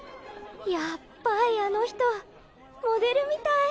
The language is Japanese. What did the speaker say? ヤッバいあの人モデルみたい。